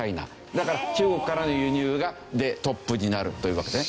だから中国からの輸入でトップになるというわけですね。